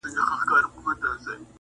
دا کيسه د انسان د وجدان غږ ګرځي,